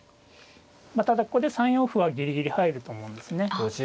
ただここで３四歩はギリギリ入ると思うんですね。